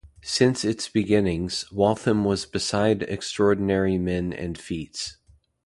Since its beginnings, Waltham was beside extraordinary men and feats.